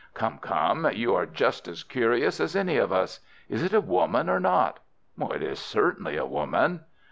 "Come, come, you are just as curious as any of us. Is it a woman or not?" "It is certainly a woman."